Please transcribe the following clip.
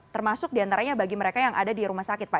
termasuk diantaranya bagi mereka yang ada di rumah sakit pak